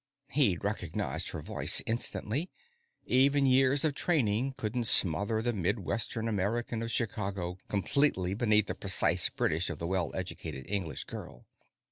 He'd recognized her voice instantly; even years of training couldn't smother the midwestern American of Chicago completely beneath the precise British of the well educated English girl.